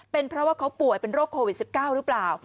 เป็นเพราะว่าเขาป่วยเป็นโรคโควิด๑๙หรือเปล่า